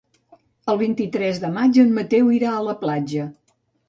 El vint-i-tres de maig en Mateu irà a la platja.